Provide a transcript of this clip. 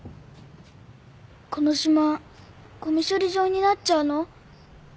この島ゴミ処理場になっちゃうの？